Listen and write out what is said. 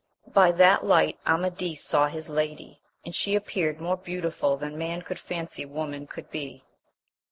By that light Amadis saw his lady, and she appeared more beautiful than man could fancy woman could be.